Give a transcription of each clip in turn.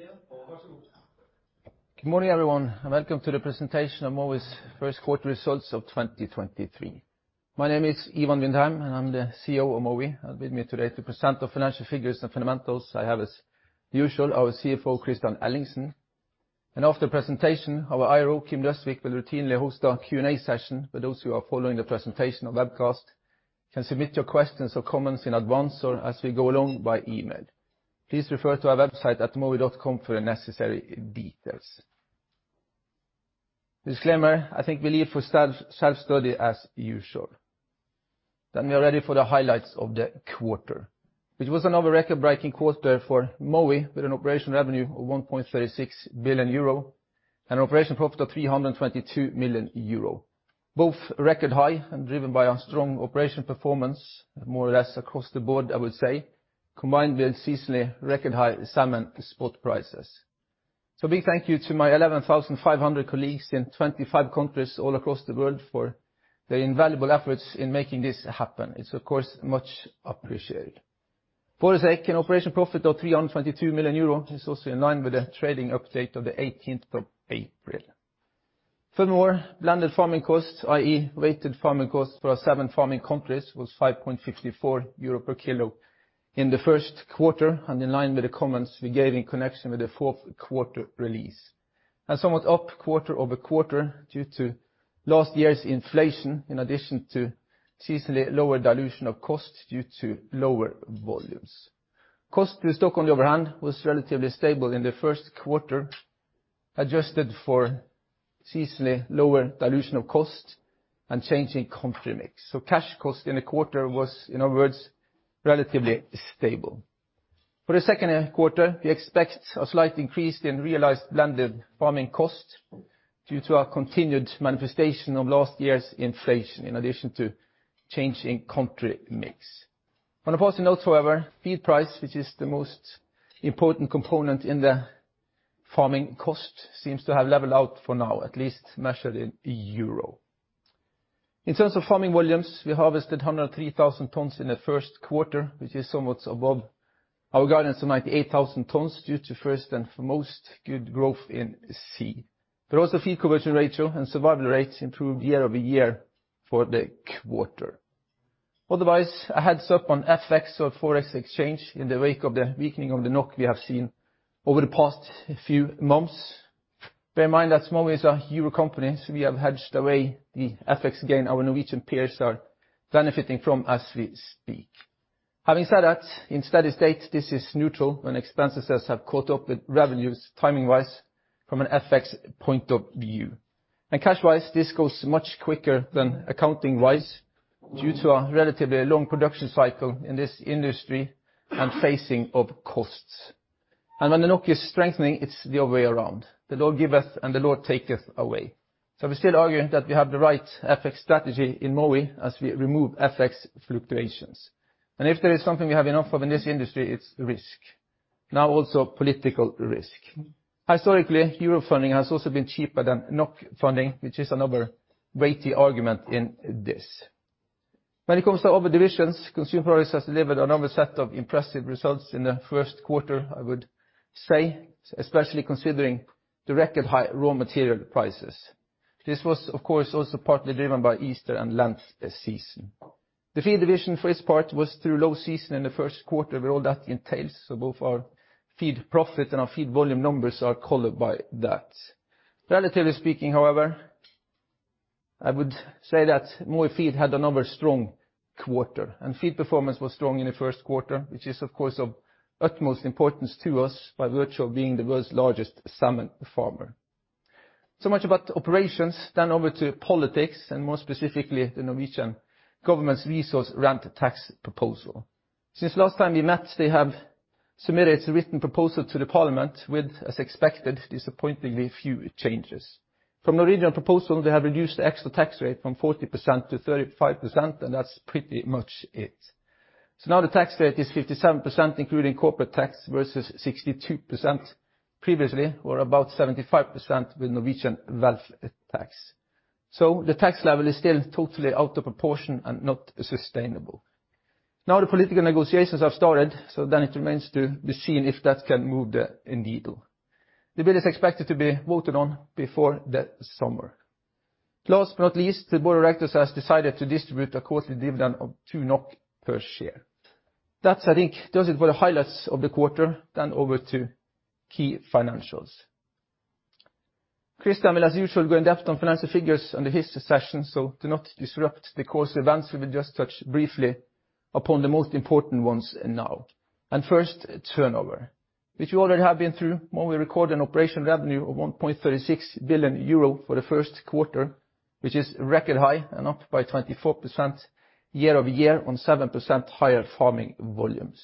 Yeah. varsågod. Good morning, everyone, welcome to the presentation of Mowi's first quarter results of 2023. My name is Ivan Vindheim, and I'm the CEO of Mowi. With me today to present the financial figures and fundamentals, I have, as usual, our CFO, Kristian Ellingsen. After presentation, our IR, Kim Døsvig, will routinely host a Q&A session with those who are following the presentation or webcast. Can submit your questions or comments in advance or as we go along by email. Please refer to our website at mowi.com for the necessary details. Disclaimer, I think we leave for self-study as usual. We are ready for the highlights of the quarter. It was another record-breaking quarter for Mowi with an operation revenue of 1.36 billion euro and operation profit of 322 million euro. Both record high and driven by our strong operation performance, more or less across the board, I would say, combined with seasonally record high salmon spot prices. Big thank you to my 11,500 colleagues in 25 countries all across the world for their invaluable efforts in making this happen. It's, of course, much appreciated. For the second operation profit of 322 million euros is also in line with the trading update of the 18th of April. Furthermore, blended farming costs, i.e., weighted farming costs for our seven farming countries was 5.54 euro per kilo in the first quarter, and in line with the comments we gave in connection with the fourth quarter release. Somewhat up quarter-over-quarter due to last year's inflation, in addition to seasonally lower dilution of costs due to lower volumes. Cost to stock on hand was relatively stable in the first quarter, adjusted for seasonally lower dilution of cost and changing country mix. Cash cost in the quarter was, in other words, relatively stable. For the second quarter, we expect a slight increase in realized blended farming costs due to our continued manifestation of last year's inflation, in addition to change in country mix. On a positive note, however, feed price, which is the most important component in the farming cost, seems to have leveled out for now, at least measured in euro. In terms of farming volumes, we harvested 103,000 tonnes in the first quarter, which is somewhat above our guidance of 98,000 tonnes due to first and foremost good growth in sea. Also feed conversion ratio and survival rates improved year-over-year for the quarter. Otherwise, a heads-up on FX or Forex exchange in the wake of the weakening of the NOK we have seen over the past few months. Bear in mind that Mowi is a Euro company, so we have hedged away the FX gain our Norwegian peers are benefiting from as we speak. Having said that, in steady state, this is neutral when expenses have caught up with revenues timing-wise from an FX point of view. Cash-wise, this goes much quicker than accounting-wise due to a relatively long production cycle in this industry and phasing of costs. When the NOK is strengthening, it's the other way around. The Lord giveth, and the Lord taketh away. We still argue that we have the right FX strategy in Mowi as we remove FX fluctuations. If there is something we have enough of in this industry, it's risk. Also political risk. Historically, Euro funding has also been cheaper than NOK funding, which is another weighty argument in this. When it comes to other divisions, Consumer Products has delivered another set of impressive results in the first quarter, I would say, especially considering the record high raw material prices. This was, of course, also partly driven by Easter and Lent season. The Feed division, for its part, was through low season in the first quarter with all that entails. Both our feed profit and our feed volume numbers are colored by that. Relatively speaking, however, I would say that Mowi Feed had another strong quarter. Feed performance was strong in the first quarter, which is, of course, of utmost importance to us by virtue of being the world's largest salmon farmer. Much about operations. Over to politics, and more specifically, the Norwegian government's resource rent tax proposal. Since last time we met, they have submitted its written proposal to the Parliament with, as expected, disappointingly few changes. From Norwegian proposal, they have reduced the extra tax rate from 40% to 35%, and that's pretty much it. Now the tax rate is 57%, including corporate tax, versus 62% previously, or about 75% with Norwegian wealth tax. The tax level is still totally out of proportion and not sustainable. Now the political negotiations have started, it remains to be seen if that can move the needle. The bill is expected to be voted on before the summer. Last but not least, the board of directors has decided to distribute a quarterly dividend of 2 NOK per share. That, I think, does it for the highlights of the quarter. Over to key financials. Kristian will, as usual, go in-depth on financial figures under his session, so to not disrupt the course events, we will just touch briefly upon the most important ones now. First, turnover, which we already have been through when we record an operational revenue of 1.36 billion euro for the first quarter, which is record high and up by 24% year-over-year on 7% higher farming volumes.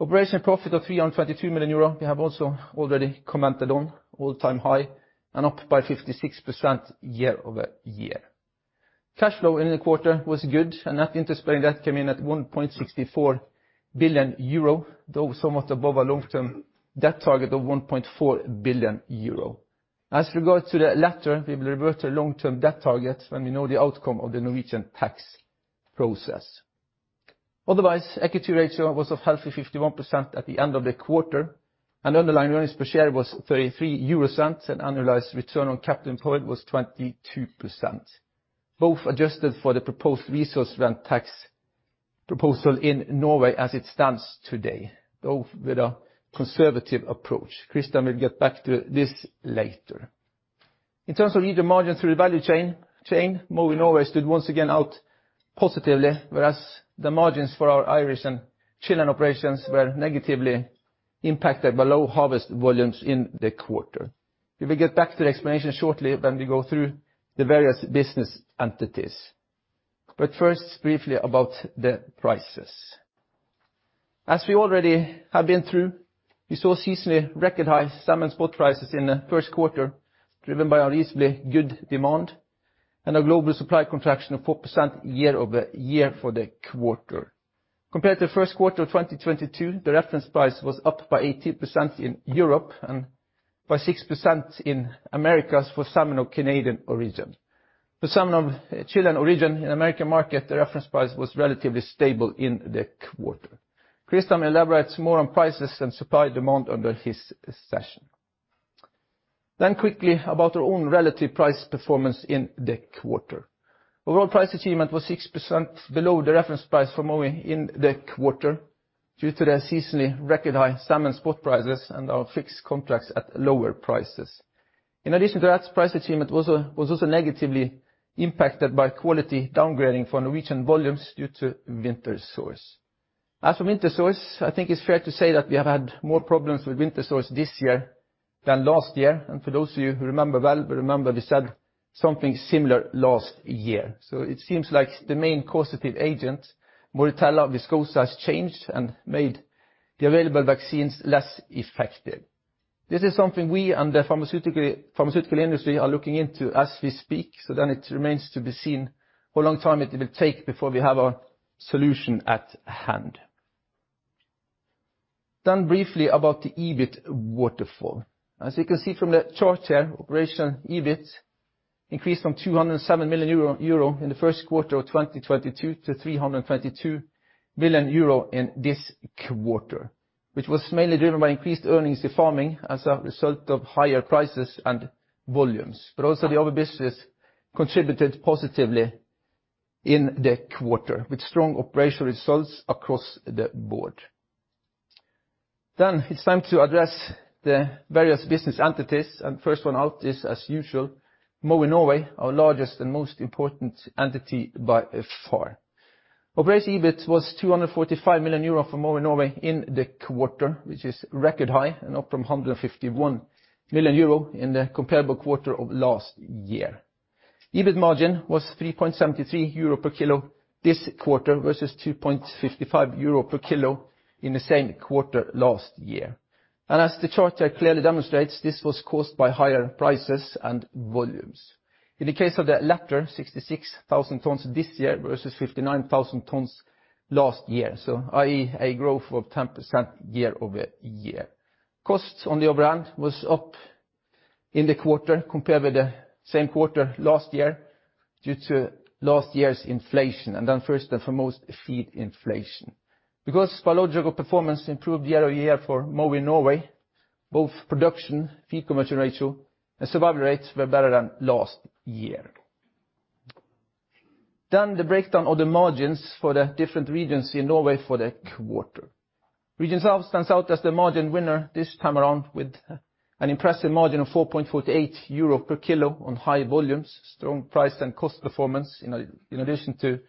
Operational profit of 322 million euro, we have also already commented on all-time high and up by 56% year-over-year. Cash flow in the quarter was good, net interest-bearing debt came in at 1.64 billion euro, though somewhat above our long-term debt target of 1.4 billion euro. As regard to the latter, we will revert to long-term debt target when we know the outcome of the Norwegian tax process. Equity ratio was of healthy 51% at the end of the quarter, and underlying earnings per share was 0.33, and annualized return on capital employed was 22%, both adjusted for the proposed resource rent tax proposal in Norway as it stands today, both with a conservative approach. Kristian will get back to this later. In terms of EBITDA margin through the value chain, Mowi Norway stood once again out positively, whereas the margins for our Irish and Chilean operations were negatively impacted by low harvest volumes in the quarter. We will get back to the explanation shortly when we go through the various business entities. First, briefly about the prices. As we already have been through, we saw seasonally record high salmon spot prices in the first quarter, driven by unreasonably good demand and a global supply contraction of 4% year-over-year for the quarter. Compared to the first quarter of 2022, the reference price was up by 18% in Europe and by 6% in Americas for salmon of Canadian origin. For salmon of Chilean origin in American market, the reference price was relatively stable in the quarter. Christian elaborates more on prices and supply demand under his session. Quickly about our own relative price performance in the quarter. Overall price achievement was 6% below the reference price for Mowi in the quarter due to the seasonally record high salmon spot prices and our fixed contracts at lower prices. In addition to that, price achievement was also negatively impacted by quality downgrading for Norwegian volumes due to winter sores. As for winter sores, I think it's fair to say that we have had more problems with winter sores this year than last year. For those of you who remember well, remember we said something similar last year. It seems like the main causative agent, Moritella viscosa, has changed and made the available vaccines less effective. This is something we and the pharmaceutical industry are looking into as we speak, so then it remains to be seen how long time it will take before we have a solution at hand. Briefly about the EBIT waterfall. As you can see from the chart here, operation EBIT increased from 207 million euro in the first quarter of 2022 to 322 million euro in this quarter, which was mainly driven by increased earnings in farming as a result of higher prices and volumes. Also the other businesses contributed positively in the quarter with strong operational results across the board. It's time to address the various business entities, and first one out is, as usual, Mowi Norway, our largest and most important entity by far. Operating EBIT was 245 million euro for Mowi Norway in the quarter, which is record high and up from 151 million euro in the comparable quarter of last year. EBIT margin was 3.73 euro per kilo this quarter versus 2.55 euro per kilo in the same quarter last year. As the chart here clearly demonstrates, this was caused by higher prices and volumes. In the case of the latter, 66,000 tons this year versus 59,000 tons last year, so i.e., a growth of 10% year-over-year. Costs on the other hand was up in the quarter compared with the same quarter last year due to last year's inflation and then first and foremost, feed inflation. Biological performance improved year-over-year for Mowi Norway, both production, feed conversion ratio, and survival rates were better than last year. The breakdown of the margins for the different regions in Norway for the quarter. Region South stands out as the margin winner this time around with an impressive margin of 4.48 euro per kilo on high volumes, strong price and cost performance in addition to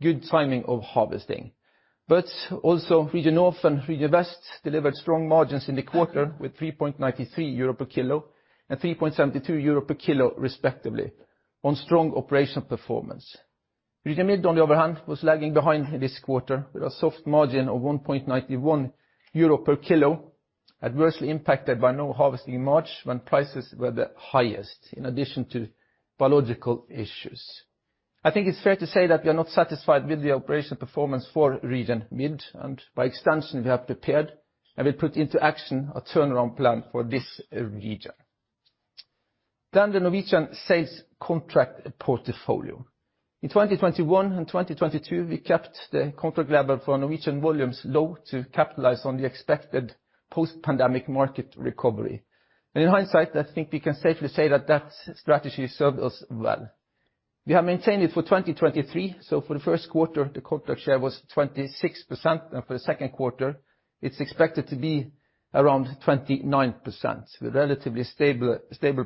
good timing of harvesting. Also Region North and Region West delivered strong margins in the quarter with 3.93 euro per kilo and 3.72 euro per kilo respectively on strong operational performance. Region Mid, on the other hand, was lagging behind this quarter with a soft margin of 1.91 euro per kilo, adversely impacted by no harvesting in March when prices were the highest, in addition to biological issues. I think it's fair to say that we are not satisfied with the operational performance for Region Mid, and by extension, we have prepared and will put into action a turnaround plan for this region. The Norwegian sales contract portfolio. In 2021 and 2022, we kept the contract level for Norwegian volumes low to capitalize on the expected post-pandemic market recovery. In hindsight, I think we can safely say that that strategy served us well. We have maintained it for 2023, so for the first quarter, the contract share was 26%, and for the second quarter, it's expected to be around 29% with relatively stable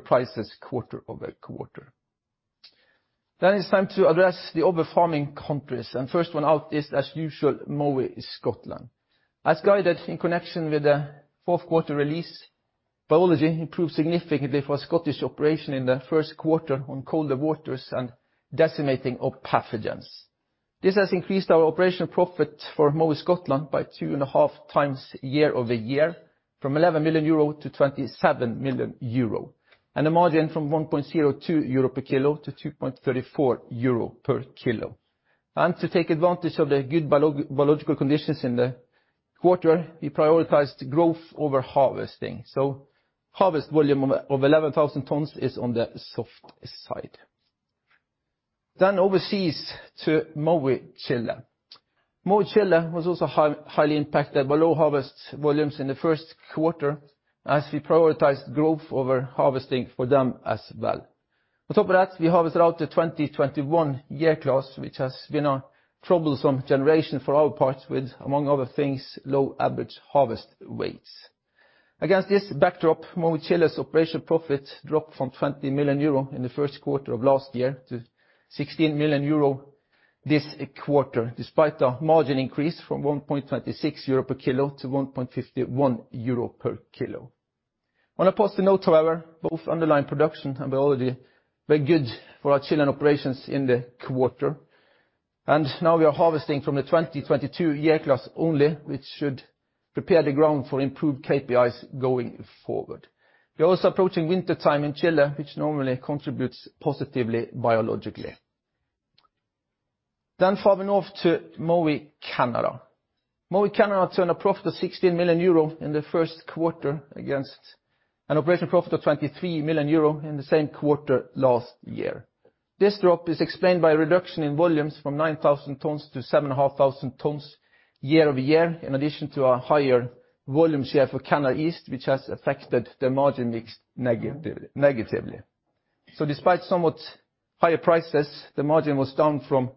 prices quarter-over-quarter. It's time to address the other farming countries, and first one out is, as usual, Mowi Scotland. As guided in connection with the fourth quarter release, biology improved significantly for Scottish operation in the first quarter on colder waters and decimating of pathogens. This has increased our operational profit for Mowi Scotland by two and a half times year-over-year from 11 million euro to 27 million euro, and a margin from 1.02 euro per kilo to 2.34 euro per kilo. To take advantage of the good biological conditions in the quarter, we prioritized growth over harvesting. Harvest volume of 11,000 tons is on the soft side. Overseas to Mowi Chile. Mowi Chile was also highly impacted by low harvest volumes in the first quarter, as we prioritized growth over harvesting for them as well. On top of that, we harvested out the 2021 year class, which has been a troublesome generation for our parts with, among other things, low average harvest weights. Against this backdrop, Mowi Chile's operational profit dropped from 20 million euro in the first quarter of last year to 16 million euro this quarter, despite the margin increase from 1.26 euro per kilo to 1.51 euro per kilo. On a positive note, however, both underlying production and biology were good for our Chilean operations in the quarter, and now we are harvesting from the 2022 year class only, which should prepare the ground for improved KPIs going forward. We are also approaching wintertime in Chile, which normally contributes positively biologically. Farther north to Mowi Canada. Mowi Canada turned a profit of 16 million euro in the first quarter against an operational profit of 23 million euro in the same quarter last year. This drop is explained by a reduction in volumes from 9,000 tonnes to 7,500 tonnes year-over-year, in addition to a higher volume share for Canada East, which has affected the margin mix negatively. Despite somewhat higher prices, the margin was down from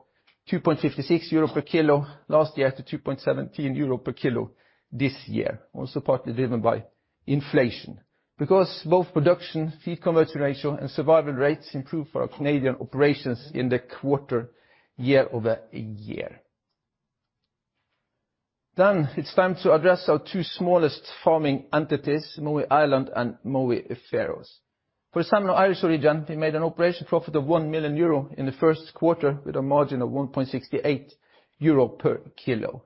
2.56 euro per kilo last year to 2.17 euro per kilo this year, also partly driven by inflation. Both production, feed conversion ratio, and survival rates improved for our Canadian operations in the quarter year-over-year. It's time to address our two smallest farming entities, Mowi Ireland and Mowi Faroes. For the salmon of Irish origin, we made an operational profit of 1 million euro in the first quarter with a margin of 1.68 euro per kilo.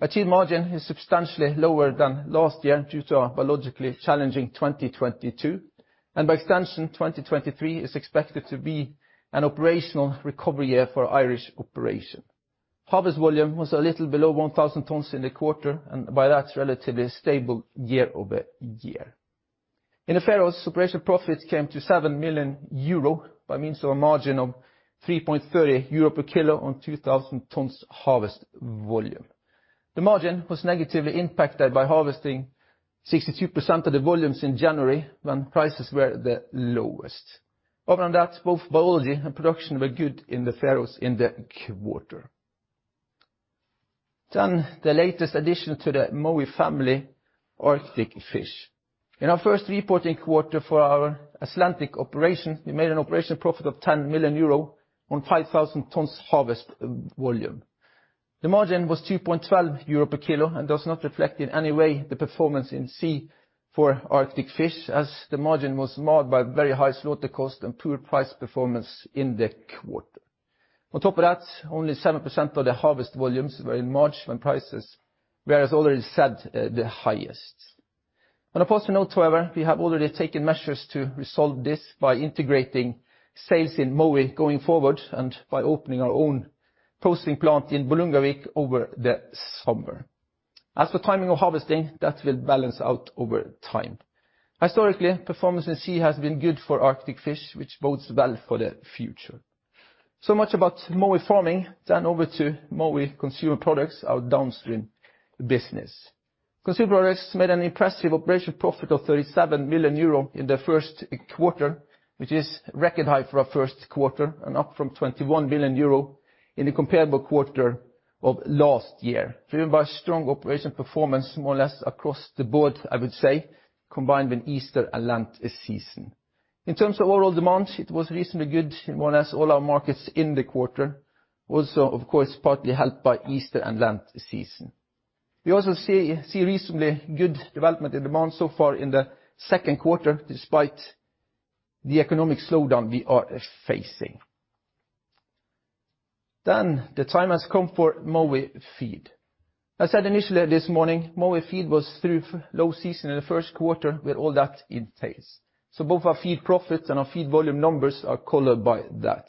Achieved margin is substantially lower than last year due to our biologically challenging 2022, and by extension, 2023 is expected to be an operational recovery year for Irish operation. Harvest volume was a little below 1,000 tons in the quarter, and by that, relatively stable year-over-year. In the Faroes, operational profits came to 7 million euro by means of a margin of 3.30 euro per kilo on 2,000 tons harvest volume. The margin was negatively impacted by harvesting 62% of the volumes in January when prices were the lowest. Other than that, both biology and production were good in the Faroes in the quarter. The latest addition to the Mowi family, Arctic Fish. In our first reporting quarter for our Atlantic operation, we made an operational profit of 10 million euro on 5,000 tonnes harvest volume. The margin was 2.12 euro per kilo and does not reflect in any way the performance in sea for Arctic Fish, as the margin was marred by very high slaughter cost and poor price performance in the quarter. On top of that, only 7% of the harvest volumes were in March when prices were, as already said, the highest. On a positive note, however, we have already taken measures to resolve this by integrating sales in Mowi going forward and by opening our own processing plant in Bolungarvík over the summer. As for timing of harvesting, that will balance out over time. Historically, performance in sea has been good for Arctic Fish, which bodes well for the future. Much about Mowi Farming. Over to Mowi Consumer Products, our downstream business. Consumer Products made an impressive operational profit of 37 million euro in the first quarter, which is record high for our first quarter and up from 21 million euro in the comparable quarter of last year, driven by strong operational performance more or less across the board, I would say, combined with Easter and Lent season. In terms of overall demand, it was reasonably good in more or less all our markets in the quarter. Of course, partly helped by Easter and Lent season. The time has come for Mowi Feed. I said initially this morning, Mowi Feed was through low season in the first quarter with all that it entails. Both our feed profits and our feed volume numbers are colored by that.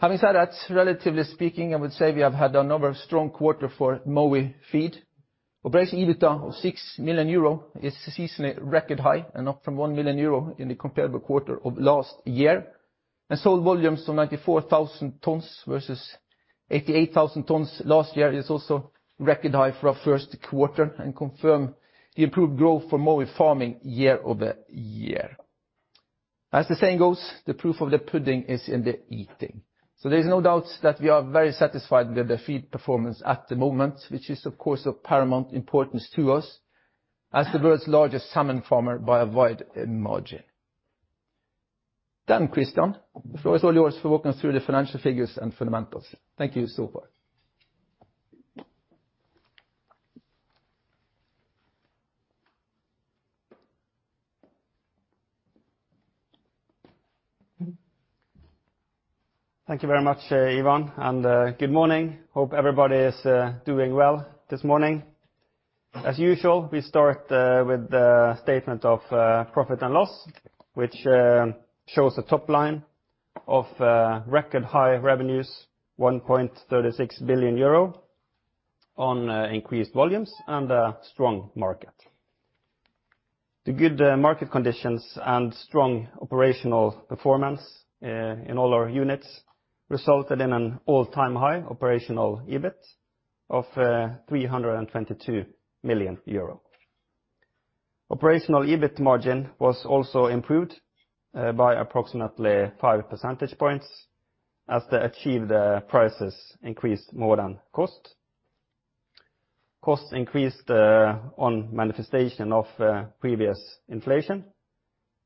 Having said that, relatively speaking, I would say we have had another strong quarter for Mowi Feed. Operating EBITDA of 6 million euro is seasonally record high and up from 1 million euro in the comparable quarter of last year. Sold volumes of 94,000 tonnes versus 88,000 tonnes last year is also record high for our first quarter and confirm the improved growth for Mowi Farming year over year. As the saying goes, the proof of the pudding is in the eating. There's no doubts that we are very satisfied with the feed performance at the moment, which is of course of paramount importance to us as the world's largest salmon farmer by a wide margin. Kristian, the floor is all yours for walking us through the financial figures and fundamentals. Thank you so far. Thank you very much, Ivan, and good morning. Hope everybody is doing well this morning. As usual, we start with the statement of profit and loss, which shows the top line. Of record high revenues, 1.36 billion euro on increased volumes and a strong market. The good market conditions and strong operational performance in all our units resulted in an all-time high operational EBIT of 322 million euro. Operational EBIT margin was also improved by approximately 5 percentage points as the achieved prices increased more than cost. Costs increased on manifestation of previous inflation,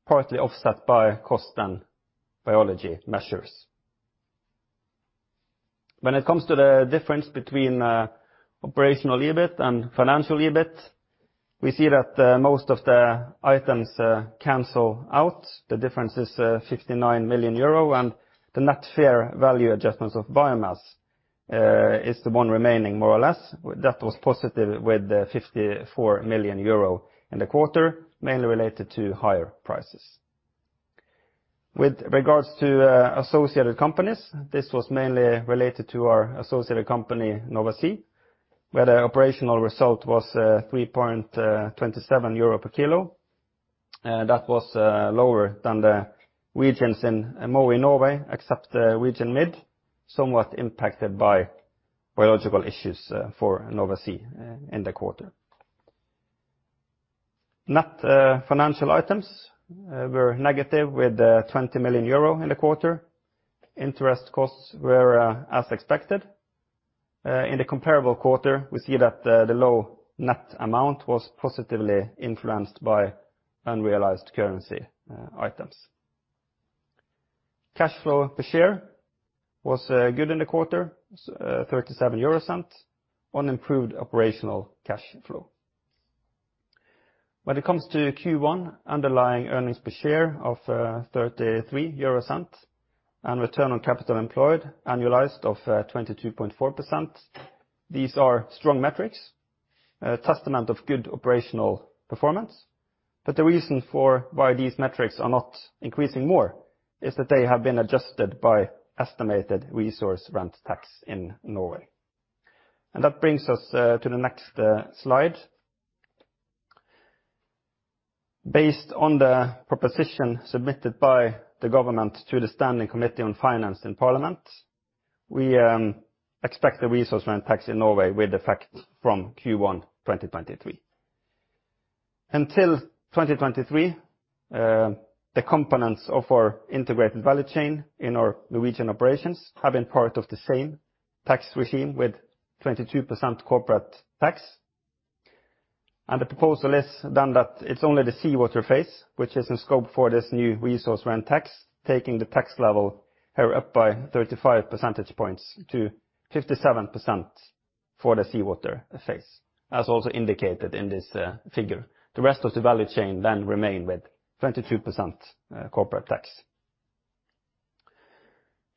partly offset by cost and biology measures. When it comes to the difference between operational EBIT and financial EBIT, we see that most of the items cancel out. The difference is 59 million euro, and the net fair value adjustments of biomass is the one remaining more or less. That was positive with 54 million euro in the quarter, mainly related to higher prices. With regards to associated companies, this was mainly related to our associated company, Nova Sea, where the operational result was 3.27 euro per kilo. That was lower than the regions in Mowi Norway, except Region Mid, somewhat impacted by biological issues for Nova Sea in the quarter. Net financial items were negative with 20 million euro in the quarter. Interest costs were as expected. In the comparable quarter, we see that the low net amount was positively influenced by unrealized currency items. Cash flow per share was good in the quarter, 0.37 on improved operational cash flow. When it comes to Q1, underlying earnings per share of 0.33 and return on capital employed, annualized of 22.4%, these are strong metrics, a testament of good operational performance. The reason for why these metrics are not increasing more is that they have been adjusted by estimated resource rent tax in Norway. That brings us to the next slide. Based on the proposition submitted by the government to the Standing Committee on Finance in Parliament, we expect the resource rent tax in Norway with effect from Q1, 2023. Until 2023, the components of our integrated value chain in our Norwegian operations have been part of the same tax regime with 22% corporate tax. The proposal is then that it's only the seawater phase which is in scope for this new resource rent tax, taking the tax level up by 35 percentage points to 57% for the seawater phase, as also indicated in this figure. The rest of the value chain remain with 22% corporate tax.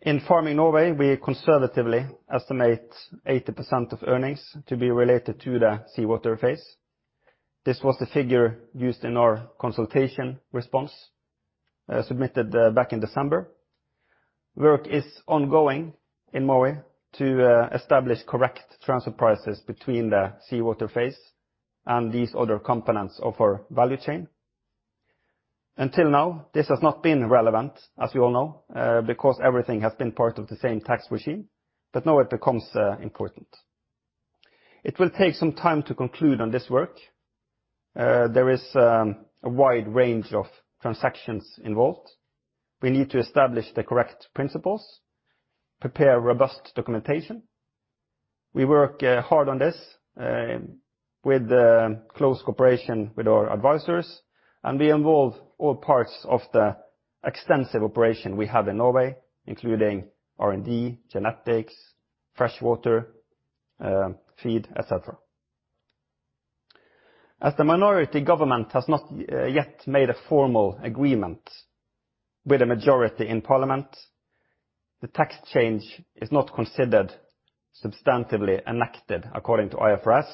In Farming Norway, we conservatively estimate 80% of earnings to be related to the seawater phase. This was the figure used in our consultation response, submitted back in December. Work is ongoing in Mowi to establish correct transfer prices between the seawater phase and these other components of our value chain. Until now, this has not been relevant, as you all know, because everything has been part of the same tax regime, but now it becomes important. It will take some time to conclude on this work. There is a wide range of transactions involved. We need to establish the correct principles, prepare robust documentation. We work hard on this with the close cooperation with our advisors, and we involve all parts of the extensive operation we have in Norway, including R&D, genetics, freshwater, feed, et cetera. As the minority government has not yet made a formal agreement with the majority in parliament, the tax change is not considered substantively enacted according to IFRS,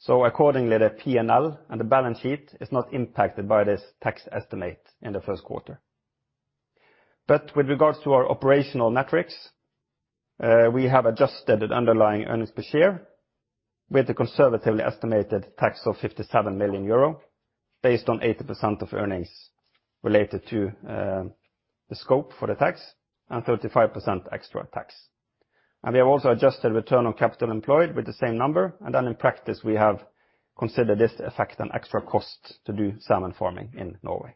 so accordingly, the P&L and the balance sheet is not impacted by this tax estimate in the first quarter. With regards to our operational metrics, we have adjusted underlying earnings per share with the conservatively estimated tax of 57 million euro based on 80% of earnings related to the scope for the tax and 35% extra tax. We have also adjusted return on capital employed with the same number, then in practice, we have considered this effect an extra cost to do salmon farming in Norway.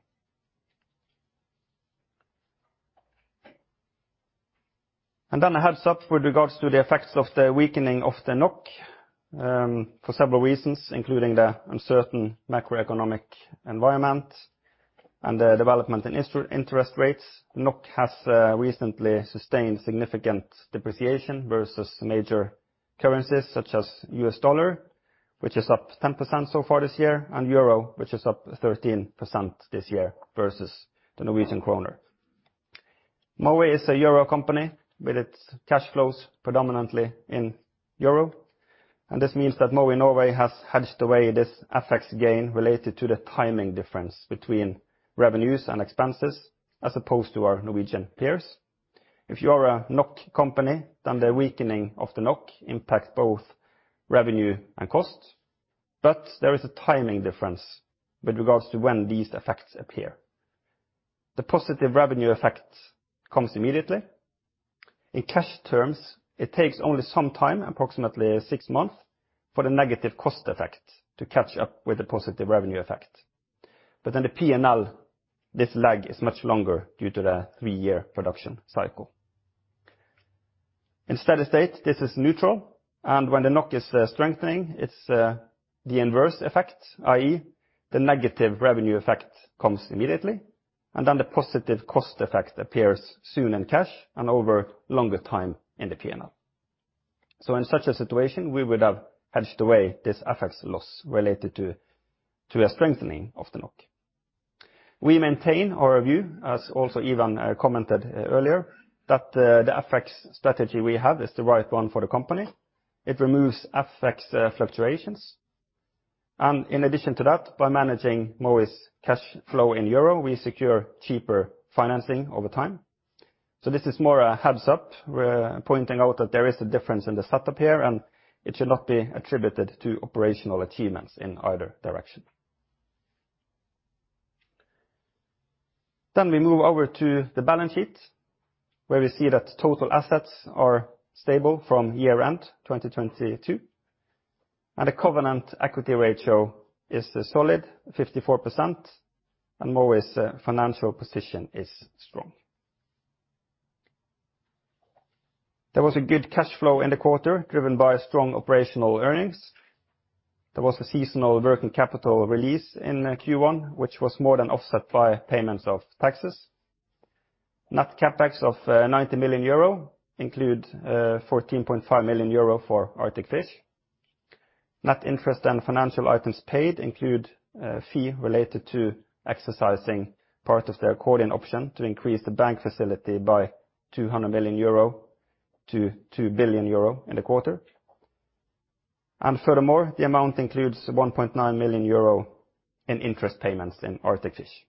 A heads-up with regards to the effects of the weakening of the NOK, for several reasons, including the uncertain macroeconomic environment and the development in interest rates. NOK has recently sustained significant depreciation versus major currencies such as U.S. dollar, which is up 10% so far this year, and Euro, which is up 13% this year versus the Norwegian kroner. Mowi is a Euro company with its cash flows predominantly in euro. This means that Mowi Norway has hedged away this FX gain related to the timing difference between revenues and expenses, as opposed to our Norwegian peers. If you are a NOK company, the weakening of the NOK impacts both revenue and cost. There is a timing difference with regards to when these effects appear. The positive revenue effect comes immediately. In cash terms, it takes only some time, approximately six months, for the negative cost effect to catch up with the positive revenue effect. The P&L, this lag is much longer due to the three-year production cycle. In steady state, this is neutral, and when the NOK is strengthening, it's the inverse effect, i.e., the negative revenue effect comes immediately, and then the positive cost effect appears soon in cash and over longer time in the P&L. In such a situation, we would have hedged away this FX loss related to a strengthening of the NOK. We maintain our view, as also Ivan commented earlier, that the FX strategy we have is the right one for the company. It removes FX fluctuations. In addition to that, by managing Mowi's cash flow in euro, we secure cheaper financing over time. This is more a heads-up. We're pointing out that there is a difference in the setup here, and it should not be attributed to operational achievements in either direction. We move over to the balance sheet, where we see that total assets are stable from year-end 2022. The covenant equity ratio is a solid 54% and Mowi's financial position is strong. There was a good cash flow in the quarter, driven by strong operational earnings. There was a seasonal working capital release in Q1, which was more than offset by payments of taxes. Net CapEx of 90 million euro include 14.5 million euro for Arctic Fish. Net interest and financial items paid include a fee related to exercising part of their accordion option to increase the bank facility by 200 million euro to 2 billion euro in the quarter. Furthermore, the amount includes 1.9 million euro in interest payments in Arctic Fish.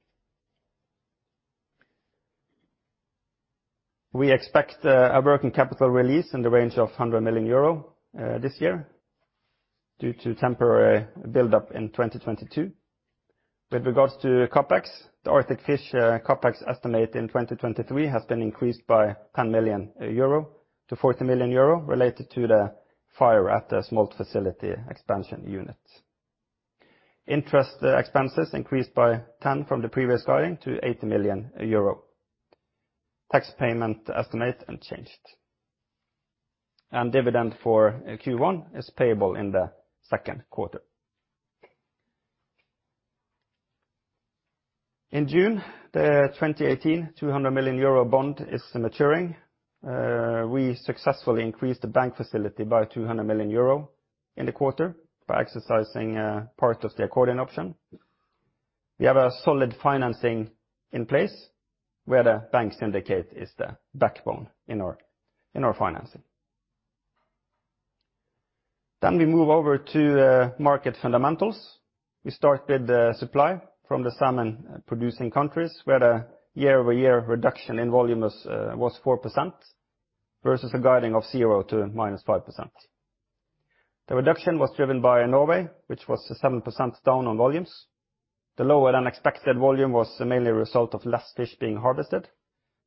We expect a working capital release in the range of 100 million euro this year due to temporary build-up in 2022. With regards to CapEx, the Arctic Fish CapEx estimate in 2023 has been increased by 10 million euro to 40 million euro related to the fire at the smolt facility expansion unit. Interest expenses increased by 10 million from the previous guiding to 80 million euro. Tax payment estimate unchanged. Dividend for Q1 is payable in the second quarter. In June, the 2018 200 million euro bond is maturing. We successfully increased the bank facility by 200 million euro in the quarter by exercising part of the accordion option. We have a solid financing in place where the bank syndicate is the backbone in our financing. We move over to market fundamentals. We start with the supply from the salmon-producing countries where the year-over-year reduction in volume was 4% versus a guiding of 0% to -5%. The reduction was driven by Norway, which was 7% down on volumes. The lower than expected volume was mainly a result of less fish being harvested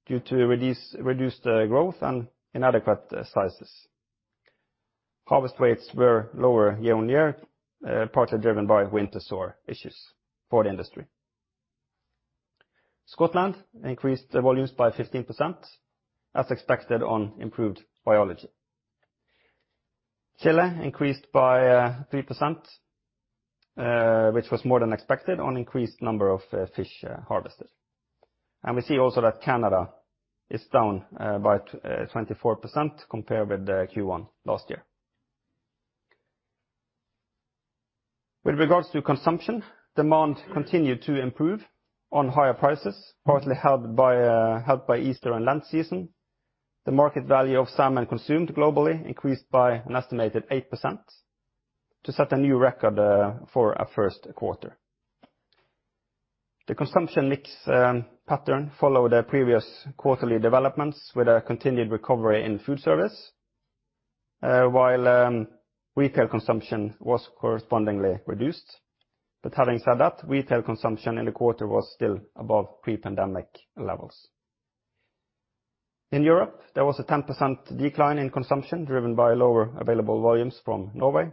due to reduced growth and inadequate sizes. Harvest weights were lower year on year, partly driven by winter sore issues for the industry. Scotland increased the volumes by 15%, as expected on improved biology. Chile increased by 3%, which was more than expected on increased number of fish harvested. We see also that Canada is down by 24% compared with the Q1 last year. With regards to consumption, demand continued to improve on higher prices, partly helped by Easter and Lent season. The market value of salmon consumed globally increased by an estimated 8% to set a new record for a first quarter. The consumption mix pattern followed the previous quarterly developments with a continued recovery in food service, while retail consumption was correspondingly reduced. Having said that, retail consumption in the quarter was still above pre-pandemic levels. In Europe, there was a 10% decline in consumption driven by lower available volumes from Norway.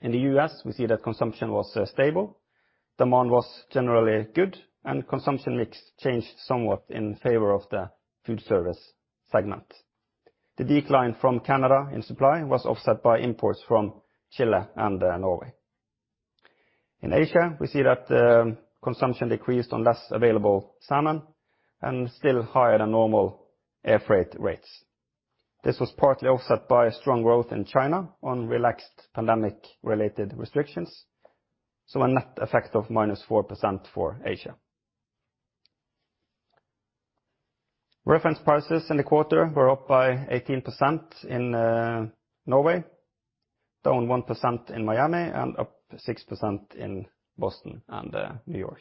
In the U.S., we see that consumption was stable, demand was generally good, and consumption mix changed somewhat in favor of the food service segment. The decline from Canada in supply was offset by imports from Chile and Norway. In Asia, we see that consumption decreased on less available salmon and still higher than normal air freight rates. This was partly offset by strong growth in China on relaxed pandemic-related restrictions, so a net effect of -4% for Asia. Reference prices in the quarter were up by 18% in Norway, down 1% in Miami, and up 6% in Boston and New York.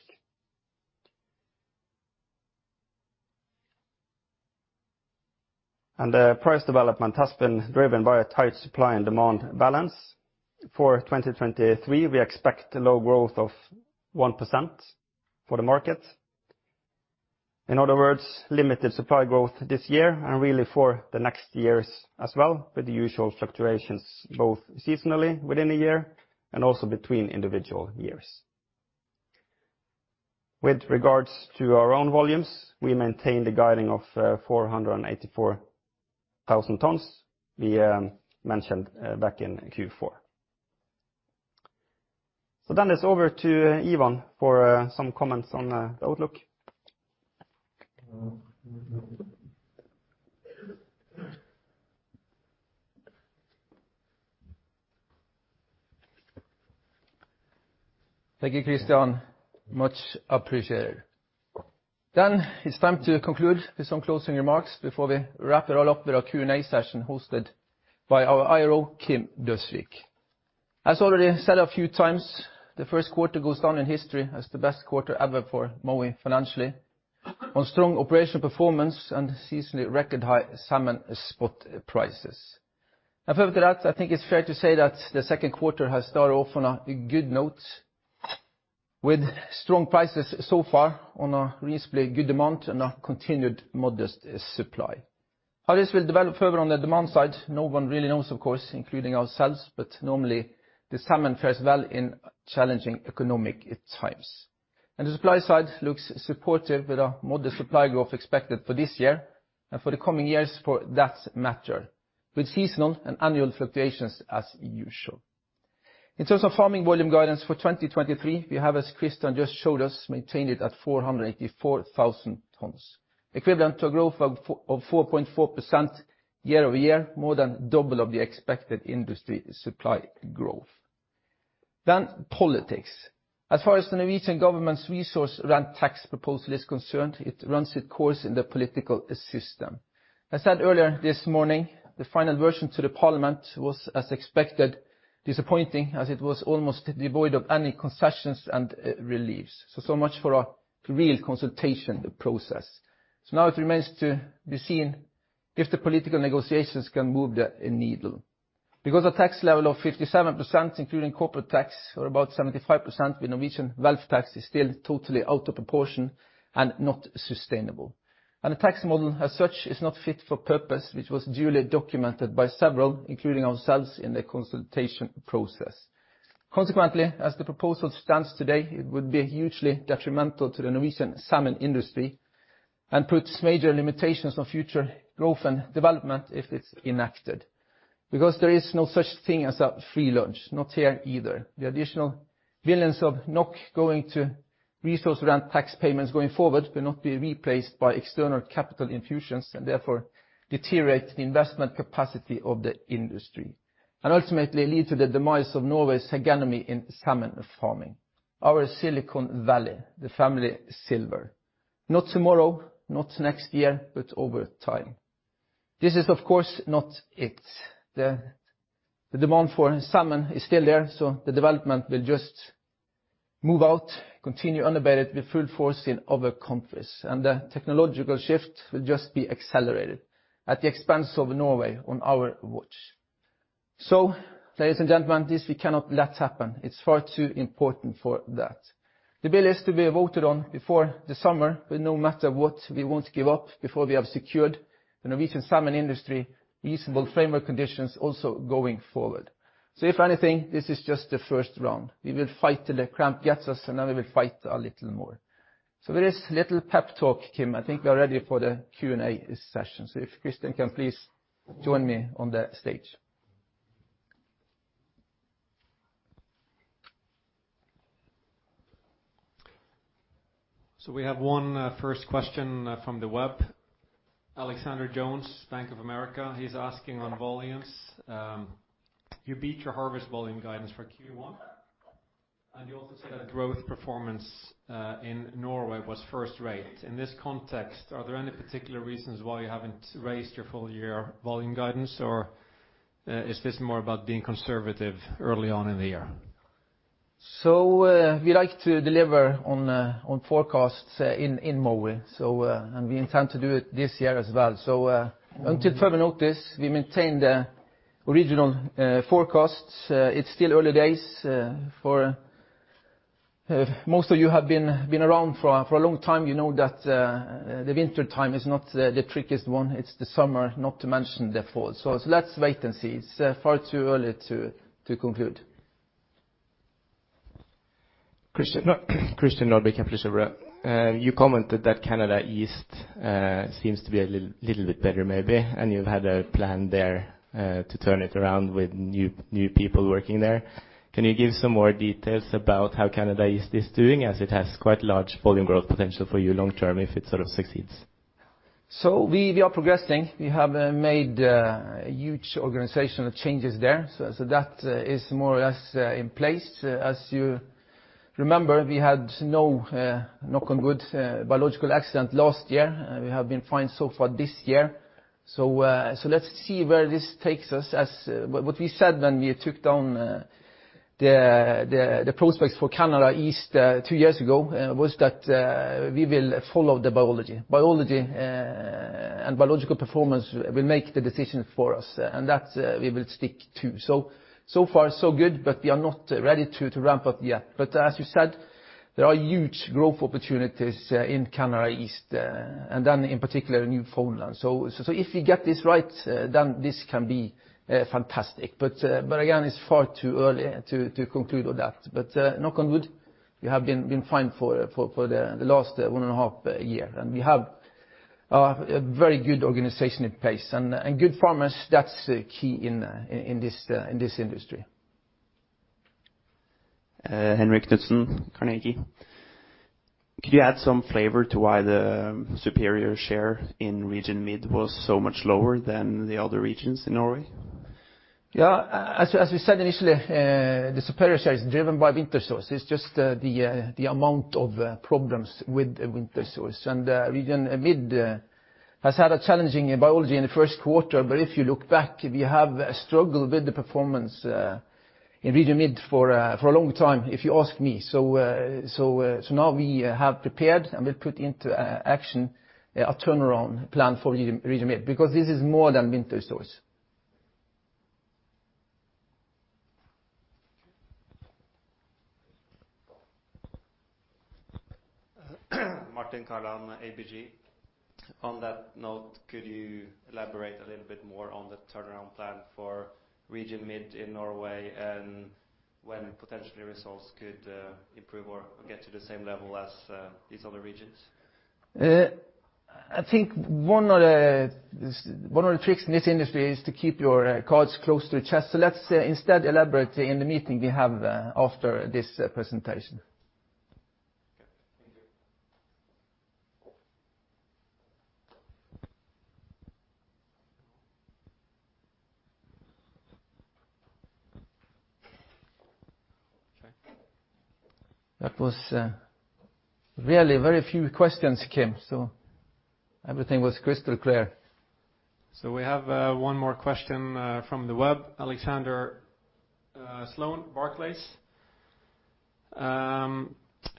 The price development has been driven by a tight supply and demand balance. For 2023, we expect a low growth of 1% for the market. In other words, limited supply growth this year and really for the next years as well, with the usual fluctuations both seasonally within a year and also between individual years. With regards to our own volumes, we maintain the guiding of 484,000 tonnes we mentioned back in Q4. It's over to Ivan for some comments on the outlook. Thank you, Kristian. Much appreciated. It's time to conclude with some closing remarks before we wrap it all up with our Q&A session hosted by our IRO, Kim Døsvig. As already said a few times, the first quarter goes down in history as the best quarter ever for Mowi financially, on strong operational performance and seasonally record high salmon spot prices. Further to that, I think it's fair to say that the second quarter has started off on a good note with strong prices so far on a reasonably good demand and a continued modest supply. How this will develop further on the demand side, no one really knows, of course, including ourselves, but normally the salmon fares well in challenging economic times. The supply side looks supportive with a modest supply growth expected for this year and for the coming years for that matter, with seasonal and annual fluctuations as usual. In terms of farming volume guidance for 2023, we have, as Kristian just showed us, maintained it at 484,000 tonnes, equivalent to a growth of 4.4% year-over-year, more than double of the expected industry supply growth. Politics. As far as the Norwegian government's resource rent tax proposal is concerned, it runs its course in the political system. As said earlier this morning, the final version to the parliament was, as expected, disappointing as it was almost devoid of any concessions and reliefs. So much for a real consultation process. Now it remains to be seen if the political negotiations can move the needle. A tax level of 57%, including corporate tax, or about 75% with Norwegian wealth tax is still totally out of proportion and not sustainable. The tax model as such is not fit for purpose, which was duly documented by several, including ourselves, in the consultation process. Consequently, as the proposal stands today, it would be hugely detrimental to the Norwegian salmon industry and puts major limitations on future growth and development if it's enacted. There is no such thing as a free lunch, not here either. The additional billions of NOK going to resource rent tax payments going forward will not be replaced by external capital infusions, and therefore deteriorate the investment capacity of the industry, and ultimately lead to the demise of Norway's hegemony in salmon farming. Our Silicon Valley, the family silver. Not tomorrow, not next year, but over time. This is of course not it. The demand for salmon is still there, so the development will just move out, continue unabated with full force in other countries, and the technological shift will just be accelerated at the expense of Norway on our watch. Ladies and gentlemen, this we cannot let happen. It's far too important for that. The bill is to be voted on before the summer, but no matter what, we won't give up before we have secured the Norwegian salmon industry reasonable framework conditions also going forward. If anything, this is just the first round. We will fight till the cramp gets us, and then we will fight a little more. With this little pep talk, Kim, I think we are ready for the Q&A session. If Kristian can please join me on the stage. We have one first question from the web. Alexander Jones, Bank of America. He's asking on volumes: You beat your harvest volume guidance for Q1, and you also said that growth performance in Norway was first-rate. In this context, are there any particular reasons why you haven't raised your full year volume guidance, or is this more about being conservative early on in the year? We like to deliver on forecasts in Mowi, and we intend to do it this year as well. Until further notice, we maintain the original forecasts. It's still early days. Most of you have been around for a long time, you know that the wintertime is not the trickiest one, it's the summer, not to mention the fall. Let's wait and see. It's far too early to conclude. Christian Nordby, Kepler Cheuvreux. You commented that Canada East seems to be a little bit better maybe, and you've had a plan there to turn it around with new people working there. Can you give some more details about how Canada East is doing as it has quite large volume growth potential for you long term if it sort of succeeds? We are progressing. We have made huge organizational changes there, so that is more or less in place. As you remember, we had no knock on wood, biological accident last year. We have been fine so far this year. Let's see where this takes us as. What we said when we took down the prospects for Canada East two years ago was that we will follow the biology. Biology and biological performance will make the decision for us, and that we will stick to. Far so good, but we are not ready to ramp up yet. As you said, there are huge growth opportunities in Canada East and then in particular Newfoundland. If we get this right, then this can be fantastic. But again, it's far too early to conclude on that. Knock on wood, we have been fine for the last one and a half year. We have a very good organization in place and good farmers. That's key in this industry. Henrik Knutsen, Carnegie. Could you add some flavor to why the superior share in Region Mid was so much lower than the other regions in Norway? Yeah. As we said initially, the superior share is driven by winter sores. It's just the amount of problems with the winter sores. Region Mid has had a challenging biology in the first quarter, but if you look back, we have a struggle with the performance in Region Mid for a long time, if you ask me. Now we have prepared and we put into action a turnaround plan for Region Mid because this is more than winter sores. Martin Kaland, ABG. On that note, could you elaborate a little bit more on the turnaround plan for Region Mid in Norway and when potentially results could improve or get to the same level as these other regions? I think one of the, one of the tricks in this industry is to keep your cards close to your chest. Let's instead elaborate in the meeting we have after this presentation. Okay. Thank you. That was, really very few questions came, so everything was crystal clear. We have one more question from the web. Alexander Sloane, Barclays.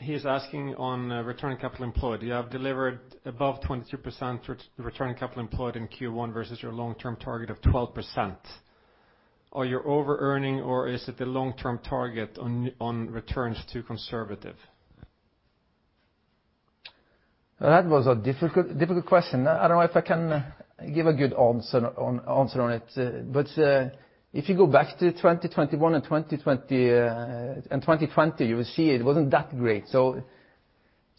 He is asking on return capital employed. You have delivered above 22% return capital employed in Q1 versus your long-term target of 12%. Are you overearning or is it the long-term target on returns too conservative? That was a difficult question. I don't know if I can give a good answer on it. If you go back to 2021 and 2020, you will see it wasn't that great.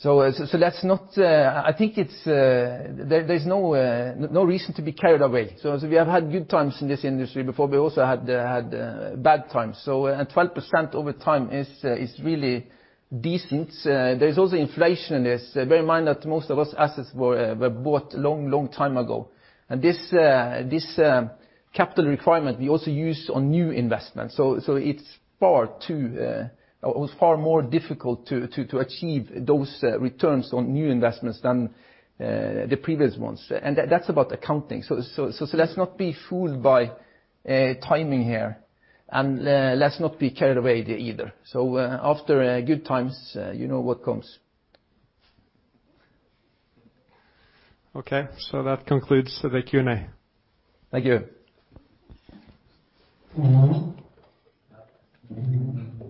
That's not. I think it's, there's no reason to be carried away. We have had good times in this industry before. We also had bad times. And 12% over time is really decent. There's also inflation in this. Bear in mind that most of us assets were bought long, long time ago. This capital requirement we also use on new investments. So it's far too, or it's far more difficult to achieve those returns on new investments than the previous ones. That's about accounting. Let's not be fooled by timing here. Let's not be carried away either. After good times, you know what comes. Okay. That concludes the Q&A. Thank you.